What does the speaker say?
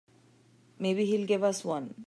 Maybe he'll give us one.